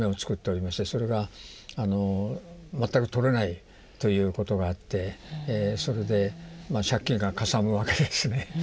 それが全くとれないということがあってそれで借金がかさむわけですね。